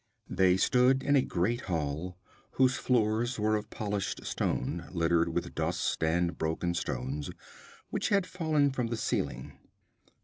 They stood in a great hall, whose floor was of polished stone, littered with dust and broken stones, which had fallen from the ceiling.